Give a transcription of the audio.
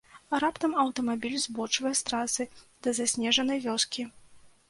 Раптам аўтамабіль збочвае з трасы да заснежанай вёскі.